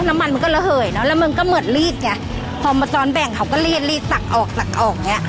น้ำมันมันก็ระเหยเนอะแล้วมันก็เหมือนรีดไงพอมาซ้อนแบ่งเขาก็รีดรีดตักออกตักออกอย่างเงี้